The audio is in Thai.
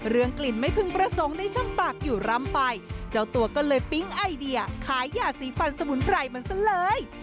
เรื่องกลิ่นไม่พึงประสงค์ในช่องปากอยู่ร่ำไปเจ้าตัวก็เลยปิ๊งไอเดียขายหย่าสีฟันสมุนไพรมันซะเลย